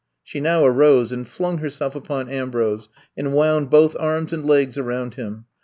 She now arose and flung herself upon Ambrose and wound both arms and legs around him.